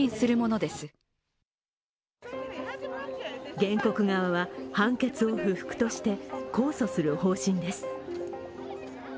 原告側は、判決を不服として控訴する方針です。